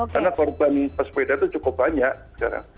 karena korban pesepeda itu cukup banyak sekarang